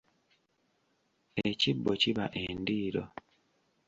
Ekibbo kiba endiiro.